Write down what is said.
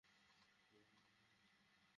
তারা রাজি হয়েছে।